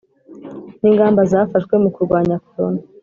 n ingamba zafashwe mu kurwanya korona